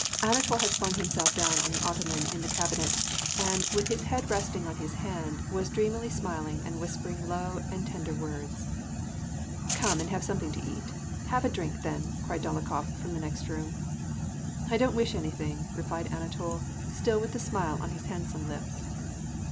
Anatol had flung himself down on the ottoman in the cab inet, and, with his head resting on his hand, was dreamily smiling and whispering low and tender words. " Come and have something to eat. Have a drink, then !" cried Dolokhof from the next room. "I don't wish anything," replied Anatol, still with the smile on his handsome lips.